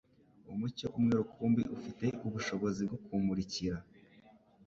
Umucyo umwe rukumbi ufite ubushobozi bwo kumurikira